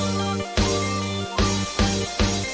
กลับไปก่อนที่สุดท้าย